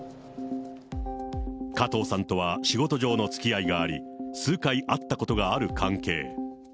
加藤さんとは仕事上のつきあいがあり、数回会ったことがある関係。